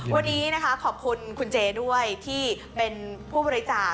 วันนี้นะคะขอบคุณคุณเจด้วยที่เป็นผู้บริจาค